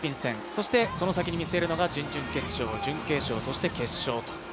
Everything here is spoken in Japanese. そしてその先に見据えるのが準々決勝、準決勝、そして決勝と。